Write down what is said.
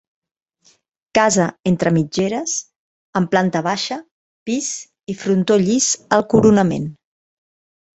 Casa entre mitgeres amb planta baixa, pis i frontó llis al coronament.